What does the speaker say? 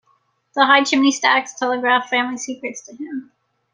The high chimney-stacks telegraph family secrets to him.